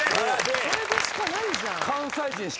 それでしかないじゃん。